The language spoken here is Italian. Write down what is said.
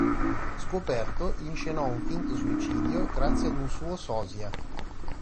Scoperto, inscenò un finto suicidio grazie ad un suo sosia.